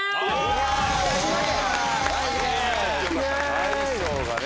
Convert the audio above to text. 大昇がね。